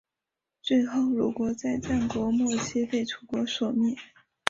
最后鲁国在战国末期被楚国所灭。